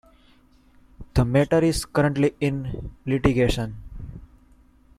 The matter is currently in litigation.